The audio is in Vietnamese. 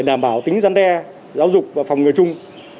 để đảm bảo tính gián đe giáo dục và phòng người chung